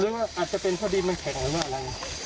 ว่าอาจจะเป็นเพราะดินมันแข็งหรืออะไร